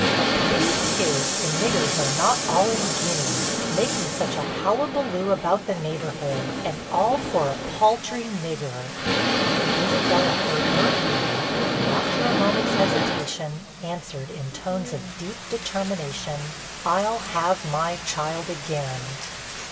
A pity 'tis, the niggers are not all in Guinea!! Making such a halloo balloo about the neighborhood; and all for a paltry nigger!!!' Isabella heard her through, and after a moment's hesitation, answered, in tones of deep determination 'I'll have my child again.'